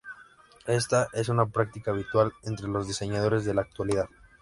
Esta es una práctica habitual entre los diseñadores de la actualidad.